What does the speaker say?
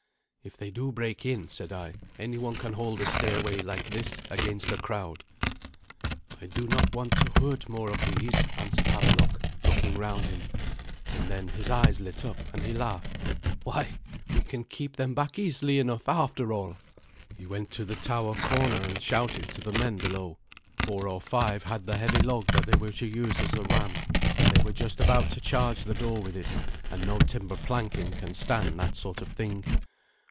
"If they do break in," said I, "any one can hold a stairway like this against a crowd." "I do not want to hurt more of these," answered Havelok, looking round him. And then his eyes lit up, and he laughed. "Why, we can keep them back easily enough, after all." He went to the tower corner, and shouted to the men below. Four or five had the heavy log that they were to use as a ram, and they were just about to charge the door with it, and no timber planking can stand that sort of thing.